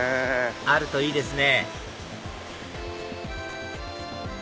あるといいですね